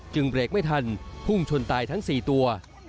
เบรกไม่ทันพุ่งชนตายทั้ง๔ตัว